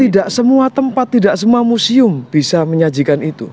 tidak semua tempat tidak semua museum bisa menyajikan itu